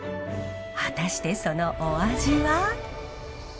果たしてそのお味は。